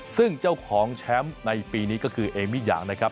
ซึ่งเจ้าของแชมป์ในปีนี้ก็คือเอมิยางนะครับ